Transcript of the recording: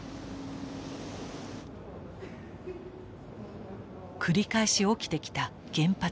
繰り返し起きてきた原発事故。